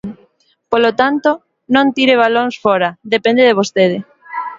Polo tanto, non tire balóns fóra, depende de vostede.